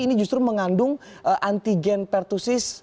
ini justru mengandung antigen pertusis